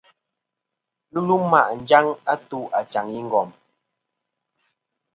Ghɨ lum ma' njaŋ a tu achaŋ i ngom.